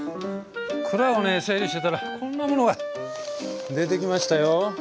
蔵をね整理してたらこんなものが出てきましたよ。